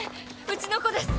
うちの子です。